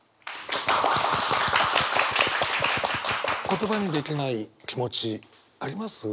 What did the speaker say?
言葉にできない気持ちあります？